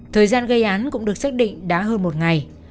thời gian gây án cũng được xác định đã hơn một ngày